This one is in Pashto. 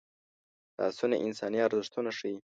لاسونه انساني ارزښتونه ښيي